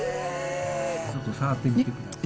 ちょっと触ってみて下さい。